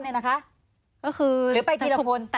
หรือไปทีละคน